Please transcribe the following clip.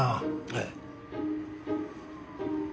ええ。